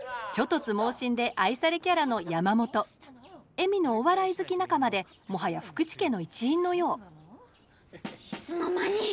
恵美のお笑い好き仲間でもはや福池家の一員のよういつの間に！